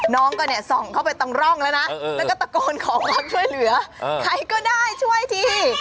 น้องก็เนี่ยส่องเข้าไปตรงร่องแล้วนะแล้วก็ตะโกนขอความช่วยเหลือใครก็ได้ช่วยที